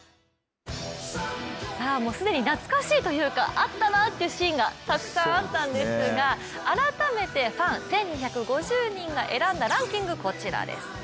既に懐かしいというか、あったなというシーンがたくさんあったんですが、改めてファン１２５０人が選んだランキングこちらです。